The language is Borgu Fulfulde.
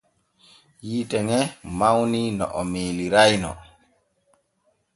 Yiite ŋe mawni no o miiliray no.